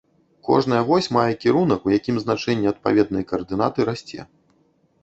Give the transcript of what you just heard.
Кожная вось мае кірунак, у якім значэнне адпаведнай каардынаты расце.